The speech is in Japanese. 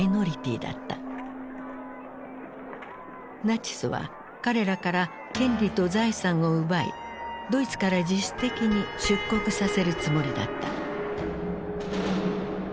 ナチスは彼らから権利と財産を奪いドイツから自主的に出国させるつもりだった。